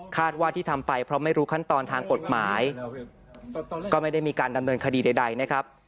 ว่าที่ทำไปเพราะไม่รู้ขั้นตอนทางกฎหมายก็ไม่ได้มีการดำเนินคดีใดนะครับ